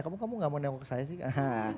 kamu gak mau jawab ke saya sih